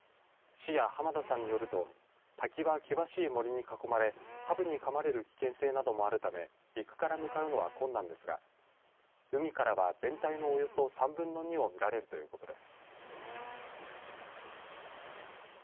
市や浜田さんによると滝は険しい森に囲まれハブにかまれる危険性などもあるため陸から向かうのは困難ですが海からは全体のおよそ３分の２を見られるということです。